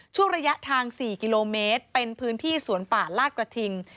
ช่วงระยะทาง๔กิโลเมตรเป็นพื้นที่สวนป่าลาดกระทิง